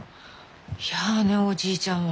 やあねおじいちゃんは。